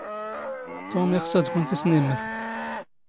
ⵜⵓⵎ ⵉⵅⵙ ⴰⴷ ⴽⵯⵏⵜ ⵉⵙⵏⵉⵎⵎⵔ.